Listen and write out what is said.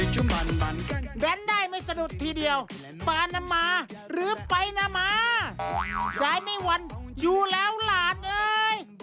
ใจไม่หวั่นอยู่แล้วหลานเย้